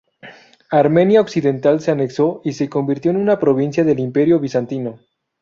Armenia occidental se anexó y se convirtió en una provincia del Imperio bizantino.